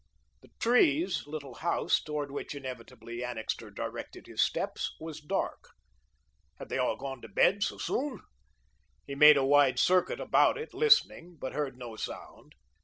The Trees' little house, toward which inevitably Annixter directed his steps, was dark. Had they all gone to bed so soon? He made a wide circuit about it, listening, but heard no sound.